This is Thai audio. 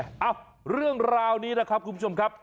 เอ้าเรื่องราวนี้นะครับคุณผู้ชมครับ